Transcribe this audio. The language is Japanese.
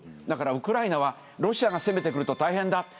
だからウクライナはロシアが攻めてくると大変だ。